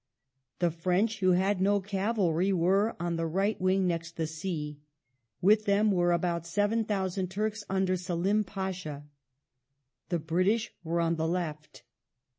The French who had no cavalry were on the right wing next the sea ; with them were about 7,000 Turks under Selim Pasha ; the British were on the left.